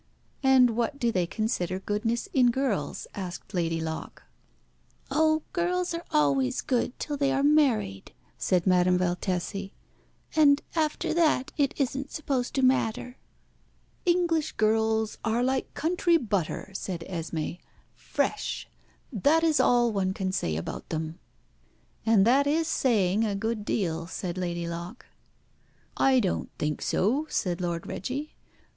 "And what do they consider goodness in girls?" asked Lady Locke. "Oh, girls are always good till they are married," said Madame Valtesi. "And after that it isn't supposed to matter." "English girls are like country butter," said Esmé "fresh. That is all one can say about them." "And that is saying a good deal," said Lady Locke. "I don't think so," said Lord Reggie.